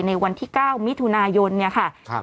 ในวันที่๙มิถุนายนค่ะ